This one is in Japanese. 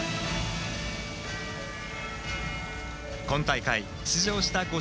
今大会、出場した